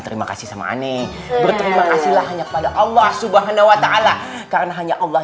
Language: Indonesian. terima kasih sama aneh berterima kasih lah hanya pada allah subhanahuwata'ala karena hanya allah